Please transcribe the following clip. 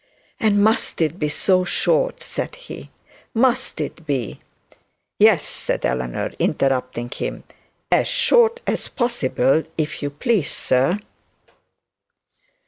'And must it be so short?' said he; 'must it be ' 'Yes,' said Eleanor, interrupting him; 'as short as possible, if you please, sir.'